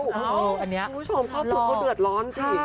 คุณผู้ชมข้อสุดก็เดือดร้อนสิ